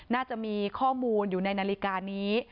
น่าจะมีข้อมูลอยู่ในนาฬิกานี้